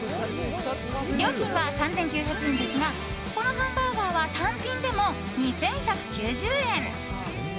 料金は３９００円ですがこのハンバーガーは単品でも２１９０円。